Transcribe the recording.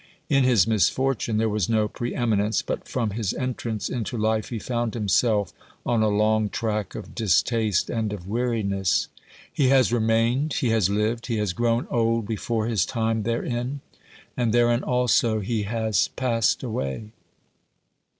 In his misfortune there was no pre eminence, but from his 176 OBERMANN entrance into life he found himself on a long track of distaste and of weariness. He has remained, he has lived, he has grown old before his time therein, and therein also he has passed away.